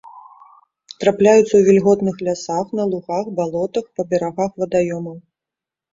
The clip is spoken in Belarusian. Трапляюцца ў вільготных лясах, на лугах, балотах, па берагах вадаёмаў.